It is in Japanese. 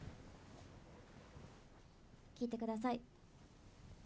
聞いてください。